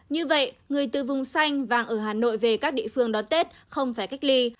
như vậy người từ vùng xanh vàng ở hà nội về các địa phương đón tết không phải cách ly